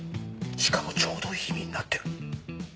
しかもちょうどいい意味になってる。